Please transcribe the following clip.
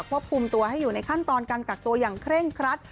ควบคุมตัวให้อยู่ในขั้นตอนการกักตัวอย่างเคร่งครัด